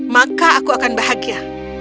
maka aku akan bahagia